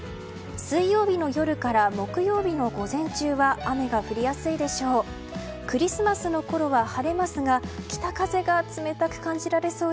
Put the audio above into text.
水曜日の夜から木曜日の午前中は雨が降りやすいでしょう。